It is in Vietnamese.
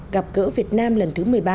gặp gỡ việt nam lần thứ một mươi ba